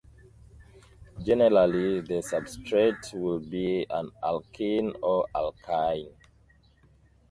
Generally the substrate will be an alkene or alkyne.